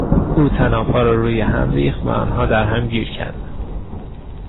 او طنابها را روی هم ریخت و آنها درهم گیر کردند.